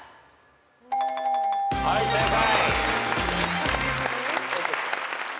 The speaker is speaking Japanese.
はい正解。